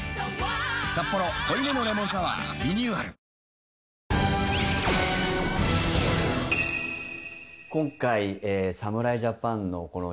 「サッポロ濃いめのレモンサワー」リニューアル「キュキュット」油汚れ